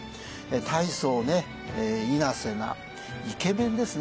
大層いなせなイケメンですね